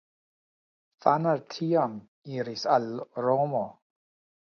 Pfanner tiam iris al Romo.